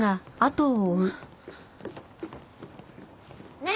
ねえ！